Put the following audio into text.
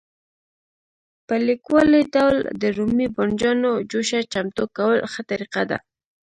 په کلیوالي ډول د رومي بانجانو جوشه چمتو کول ښه طریقه ده.